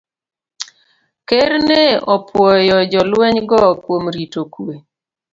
Ker ne opwoyo jolwenygo kuom rito kuwe